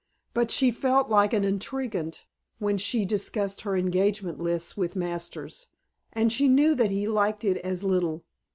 But she felt like an intriguante when she discussed her engagement lists with Masters, and she knew that he liked it as little.